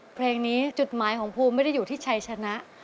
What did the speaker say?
เพลงนี้จุดหมายของภูมิไม่ได้อยู่ที่ชัยชนะ